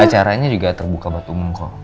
acaranya juga terbuka buat umum kok